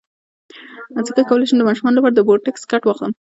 څنګه کولی شم د ماشومانو لپاره د روبوټکس کټ واخلم